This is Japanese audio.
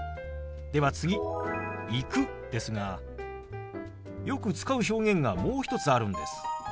では次「行く」ですがよく使う表現がもう一つあるんです。